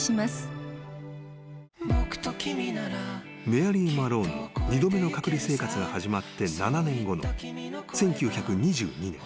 ［メアリー・マローンの二度目の隔離生活が始まって７年後の１９２２年］